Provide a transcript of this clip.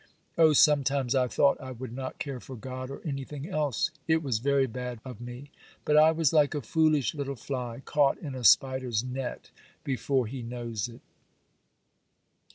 Oh, sometimes I thought I would not care for God or anything else—it was very bad of me—but I was like a foolish little fly, caught in a spider's net before he knows it.